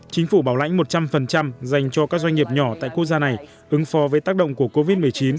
chính phủ bảo lãnh một trăm linh dành cho các doanh nghiệp nhỏ tại quốc gia này ứng phó với tác động của covid một mươi chín